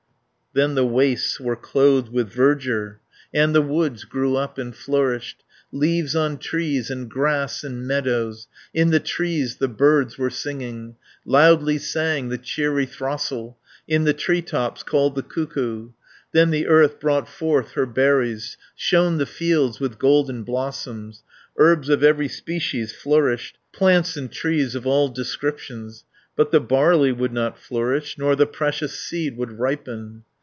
Then the wastes were clothed with verdure, And the woods grew up and flourished; Leaves on trees and grass in meadows. In the trees the birds were singing, Loudly sang the cheery throstle; In the tree tops called the cuckoo. 230 Then the earth brought forth her berries; Shone the fields with golden blossoms; Herbs of every species flourished; Plants and trees of all descriptions; But the barley would not flourish, Nor the precious seed would ripen.